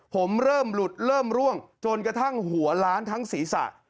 ผมเริ่มหลุดเริ่มร่วงจนกระทั่งหัวล้านทั้งศีรษะ